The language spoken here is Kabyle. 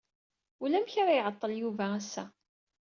Ulamek ara iɛeṭṭel Yuba ass-a.